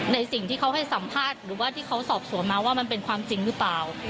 ในสิ่งที่เขาให้สัมภาษณ์หรือว่าที่เขาสอบสวนมาว่ามันเป็นความจริงหรือเปล่า